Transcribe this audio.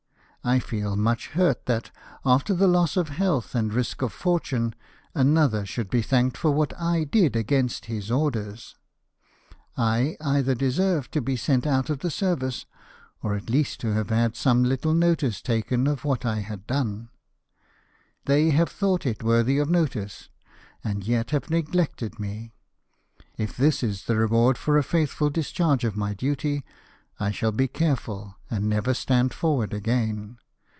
I feel much hurt that, after the loss of health and risk of fortune, another should be thanked for what I did against his orders. I either deserved to be sent out of the service, or at least to have had some Httle notice taken of what I had done. They have thought it worthy of notice, and yet have neglected me. If this is the reward for a faithfid discharge of my duty, I shall be careful, and never stand forward again.